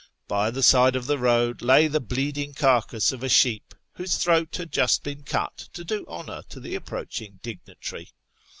By the side of the road lay the bleeding carcase of a sheep, whose throat had just been cut to do honour to the approaching dignitary.